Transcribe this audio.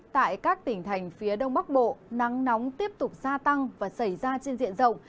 tại các tỉnh thành phía đông bắc bộ nắng nóng tiếp tục gia tăng và xảy ra trên diện rộng